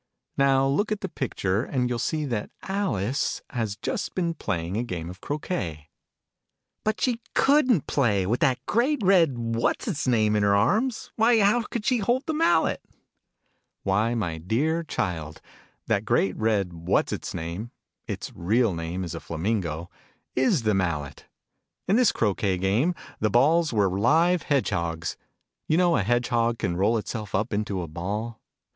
Now look at the picture, and you'll see that Alice has just been playing a Game of Croquet. " But she couldn't play, with that great red what's its name in her arms ! Why, how could she hold the mallet ?" Why, my dear Child, that great red what's its name (its real name is "a Flamingo ") is the mallet ! In this Croquet Game, the balls were Digitized by Google live Hedge hoys you know a hedge hog can roll itself up into a ball